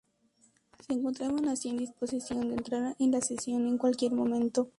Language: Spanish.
Se encontraban así en disposición de entrar en la sesión en cualquier momento.